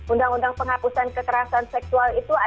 undang undang penghapusan kekerasan seksual itu